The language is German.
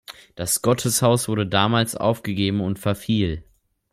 Das Gotteshaus wurde damals aufgegeben und verfiel.